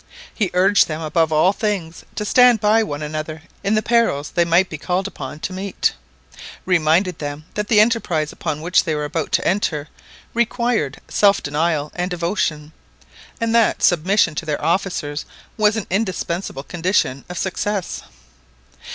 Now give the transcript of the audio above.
He urged them above all things to stand by one another in the perils they might be called upon to meet; reminded them that the enterprise upon which they were about to enter required self denial and devotion, and that submission to their officers was an indispensable condition of success.